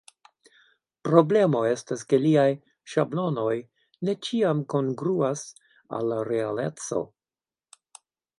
Problemo estas ke liaj ŝablonoj ne ĉiam kongruas al la realeco.